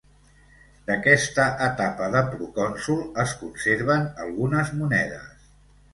D'aquesta etapa de procònsol es conserven algunes monedes.